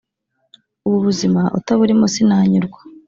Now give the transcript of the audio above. ububuzima utaburimo sinanyurwa